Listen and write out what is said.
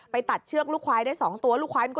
ไปตัดเชือกลูกควายได้๒ตัว